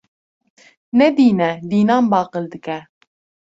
Ne dîn e, dînan baqil dike.